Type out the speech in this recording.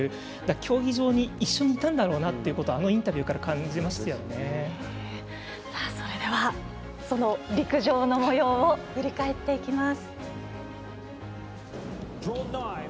競技場に一緒にいたんだろうなということをあのインタビューからそれではその陸上のもようを振り返っていきます。